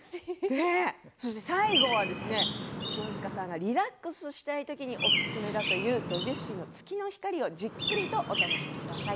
そして最後は清塚さんがリラックスしたいときにおすすめだというドビュッシーの「月の光」をじっくりとお楽しみください。